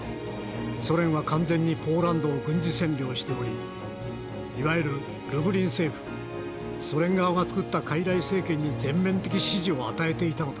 ソ連は完全にポーランドを軍事占領しておりいわゆるルブリン政府ソ連側が作った傀儡政権に全面的支持を与えていたのだ。